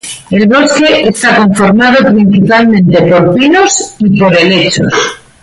El bosque está conformado principalmente por pinos y por helechos.